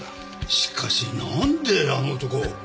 しかしなんであの男を？